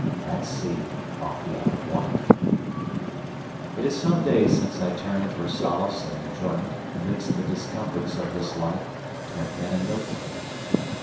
At sea, off the Isle of Wight. It is some days since I turned for solace and enjoyment, amidst the discomforts of this life, to my pen and notebook.